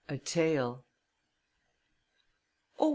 A TALE. "Oh!